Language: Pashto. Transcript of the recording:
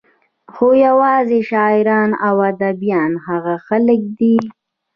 خو يوازې شاعران او اديبان هغه خلق دي